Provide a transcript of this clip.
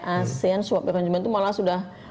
asean swap arrangement itu malah sudah